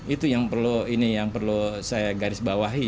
itu yang perlu saya garis bawahi